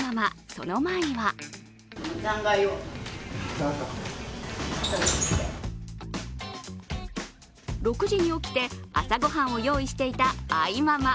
その前には６時に起きて朝ごはんを用意していた愛ママ。